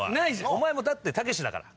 お前もだってタケシだから。